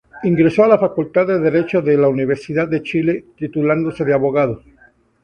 Ingresó a la Facultad de Derecho de la Universidad de Chile, titulándose de abogado.